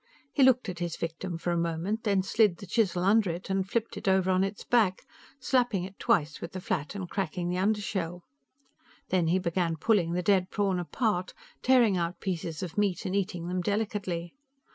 He looked at his victim for a moment, then slid the chisel under it and flopped it over on its back, slapping it twice with the flat and cracking the undershell. The he began pulling the dead prawn apart, tearing out pieces of meat and eating them delicately.